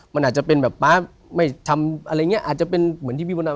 มันอาจจะเป็นแบบป๊าไม่ทำอะไรอย่างเงี้อาจจะเป็นเหมือนที่พี่มดดำ